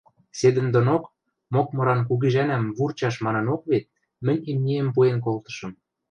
Седӹндонок, мокмыран кугижӓнӓм вурчаш манынок вет, мӹнь имниэм пуэн колтышым.